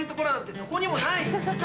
どこにもない。